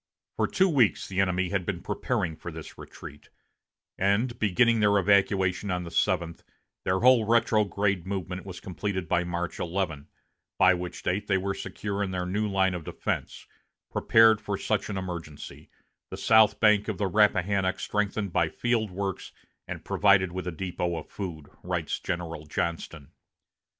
For two weeks the enemy had been preparing for this retreat; and, beginning their evacuation on the seventh, their whole retrograde movement was completed by March 11, by which date they were secure in their new line of defense, "prepared for such an emergency the south bank of the Rappahannock strengthened by field works, and provided with a depot of food," writes General Johnston.